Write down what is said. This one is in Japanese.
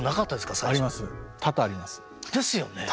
最初。あります。ですよね。